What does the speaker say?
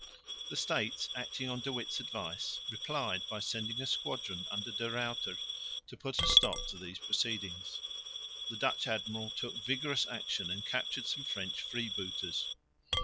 The States, acting on De Witt's advice, replied by sending a squadron under De Ruyter to put a stop to these proceedings. The Dutch admiral took vigorous action and captured some French freebooters.